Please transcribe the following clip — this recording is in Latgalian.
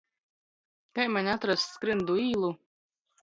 Kai maņ atrast Skryndu īlu?